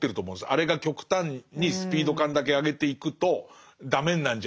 あれが極端にスピード感だけ上げていくとダメになるんじゃないかっていう。